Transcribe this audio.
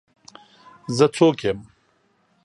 زه څوک یم؟